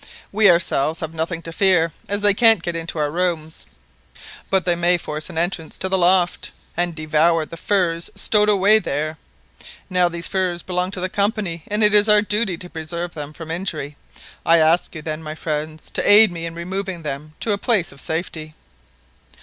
We ourselves have nothing to fear, as they can't get into our rooms; but they may force an entrance to the loft, and devour the furs stowed away there. Now these furs belong to the Company, and it is our duty to preserve them from injury I ask you then, my friends, to aid me in removing them to a place of safety."